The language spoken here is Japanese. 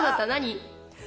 何？